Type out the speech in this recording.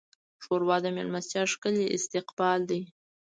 ښوروا د میلمستیا ښکلی استقبال دی.